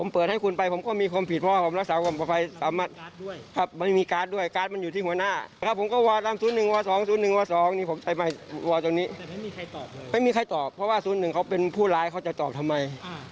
เพราะว่าศูนย์หนึ่งเขาเป็นผู้ร้ายเขาจะตอบทำไม